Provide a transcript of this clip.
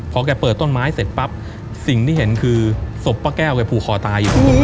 พอแกเปิดต้นไม้เสร็จปั๊บสิ่งที่เห็นคือศพป้าแก้วแกผูกคอตายอยู่ตรงนี้